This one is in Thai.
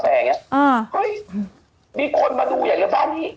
เฮ้ยมีคนมาดูอย่างเงี้ยบ้านนี้